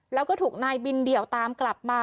แล้วก็ถูกนายบินเดี่ยวตามกลับมา